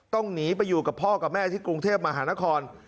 ต้องหนีไปอยู่กับพ่อกับแม่ที่กรุงเทพมหานคร